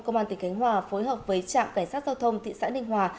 công an tỉnh khánh hòa phối hợp với trạm cảnh sát giao thông thị xã ninh hòa